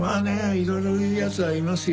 いろいろ言う奴はいますよ。